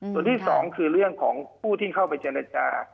ส่วนที่สองคือเรื่องของผู้ที่เข้าไปเจรจา